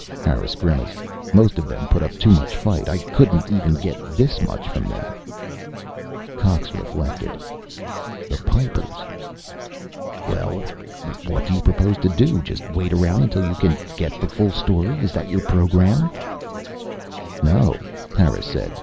Harris grimaced. "Most of them put up too much fight. I couldn't even get this much from them." Cox reflected. "The Pipers. Well? What do you propose to do? Just wait around until you can get the full story? Is that your program?" "No," Harris said.